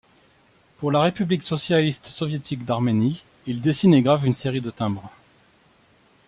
Pour la République socialiste soviétique d’Arménie, il dessine et grave une série de timbres.